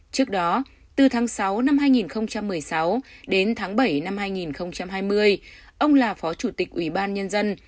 trước đó từ tháng sáu năm hai nghìn một mươi sáu đến tháng bảy năm hai nghìn hai mươi ông là phó chủ tịch ủy ban nhân dân